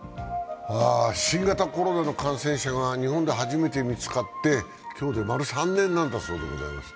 新型コロナの感染者が日本で初めて見つかって今日で丸３年なんだそうでございます。